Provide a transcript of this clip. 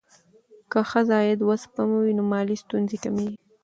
که ښځه عاید وسپموي، نو مالي ستونزې کمېږي.